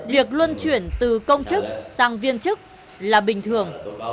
việc luân chuyển từ công chức sang viên chức là bình thường